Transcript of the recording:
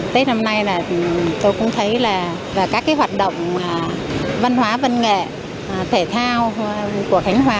tết năm nay là tôi cũng thấy là các cái hoạt động văn hóa văn nghệ thể thao của khánh hòa